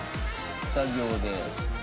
手作業で。